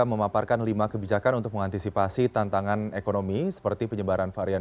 memaparkan lima kebijakan untuk mengantisipasi tantangan ekonomi seperti penyebaran varian